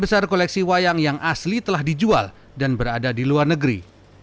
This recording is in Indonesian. besar koleksi wayang yang asli telah dijual dan berada di luar negeri